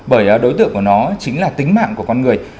bởi đối tượng của nó chính là tính mạng của con người